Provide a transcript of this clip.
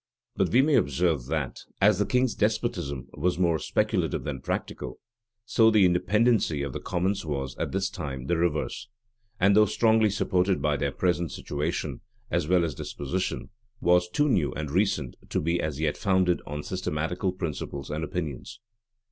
But we may observe, that, as the king's despotism was more speculative than practical, so the independency of the commons was, at this time, the reverse; and, though strongly supported by their present situation, as well as disposition, was too new and recent to be as yet founded on systematical principles and opinions.